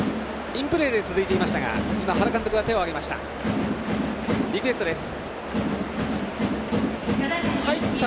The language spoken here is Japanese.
インプレーで続いていましたが原監督が手を上げました。